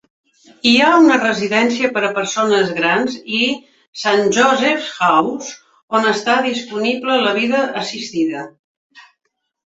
Hi ha una residència per a persones grans i "St.-Josefs-Haus", on està disponible la vida assistida.